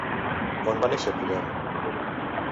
On va néixer Podem?